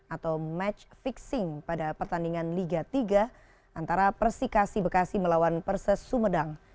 atau match fixing pada pertandingan liga tiga antara persikasi bekasi melawan perses sumedang